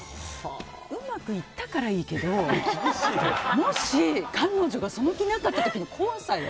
うまくいったからいいけど彼女がその気じゃなかった時の怖さよ。